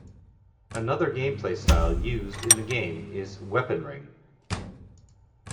Another gameplay style used in the game is weponring.